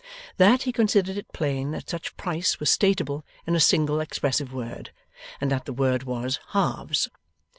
That, he considered it plain that such price was stateable in a single expressive word, and that the word was, 'Halves!